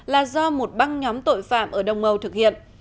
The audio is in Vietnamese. là do một băng nhóm tội phạm ở đông âu thực hiện